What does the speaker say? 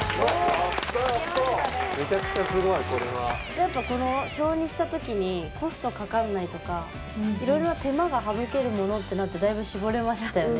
やっぱこの表にした時にコストかからないとかいろいろな手間が省けるものってなってだいぶ絞れましたよね